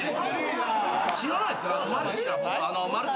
知らないっすか！？